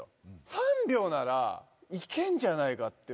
３秒ならいけんじゃないかって思って。